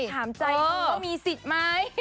ถามใจมันก็มีสิทธิมั้ย